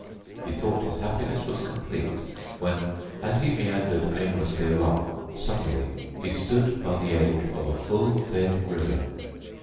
He thought his happiness was complete when, as he meandered aimlessly along, suddenly he stood by the edge of a full fed river.